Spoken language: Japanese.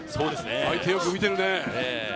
相手をよく見てるね。